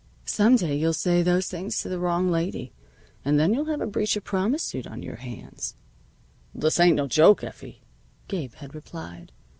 "Some day you'll say those things to the wrong lady, and then you'll have a breach of promise suit on your hands." "This ain't no joke, Effie," Gabe had replied.